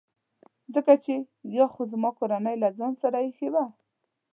ځکه چي یا خو زما کورنۍ له ځان سره ایښي وو.